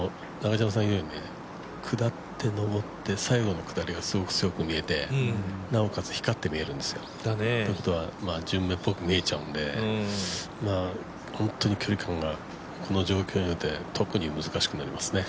下って上って、最後の下りはすごく強く見えて、なおかつ光って見えるんですよ。ということは、順目っぽく見えちゃうんで、本当に距離感がこの状況において特に難しくなりますね。